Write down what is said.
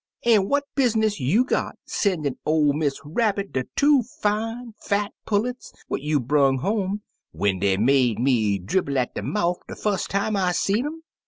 An' what business you got sen'in' or Miss Rabbit de two fine, fat pullets what you brang home, which dey made me dribble at de mouf de fust time I seed um